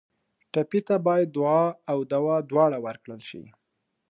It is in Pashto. ټپي ته باید دعا او دوا دواړه ورکړل شي.